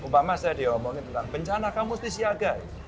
mumpama saya diomongin tentang bencana kamu musti siagai